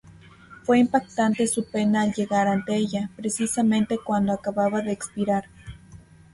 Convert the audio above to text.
Fue impactante su pena al llegar ante ella, precisamente cuando acababa de expirar.